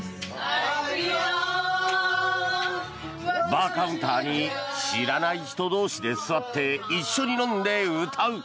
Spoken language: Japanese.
バーカウンターに知らない人同士で座って一緒に飲んで、歌う。